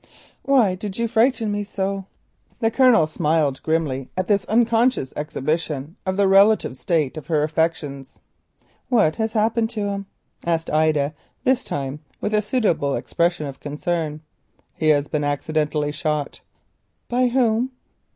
"Why did you frighten me so?" The Colonel smiled grimly at this unconscious exhibition of the relative state of her affections. "What has happened to him?" asked Ida, this time with a suitable expression of concern. "He has been accidentally shot." "Who by?"